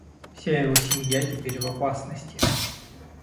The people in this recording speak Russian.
Вся его семья теперь в опасности.